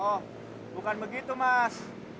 oh bukan begitu mas